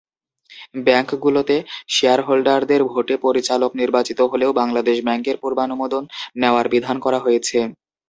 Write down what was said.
ব্যাংকগুলোতে শেয়ারহোল্ডারদের ভোটে পরিচালক নির্বাচিত হলেও বাংলাদেশ ব্যাংকের পূর্বানুমোদন নেওয়ার বিধান করা হয়েছে।